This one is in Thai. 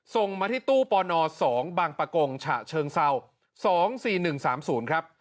ส่งมาที่ตู้ปน๒บางประกงฉะเชิงเศร้า๒๔๑๓๐ครับ